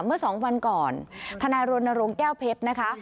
เมื่อสองวันก่อนทนายรณรงค์แก้วเพชรนะคะ